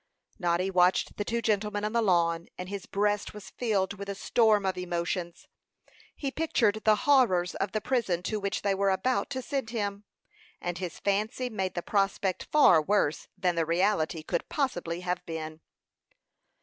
Noddy watched the two gentlemen on the lawn, and his breast was filled with a storm of emotions. He pictured the horrors of the prison to which they were about to send him, and his fancy made the prospect far worse than the reality could possibly have been.